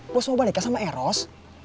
bos mau balik ya sama eros